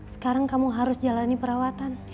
sekarang kamu harus jalani perawatan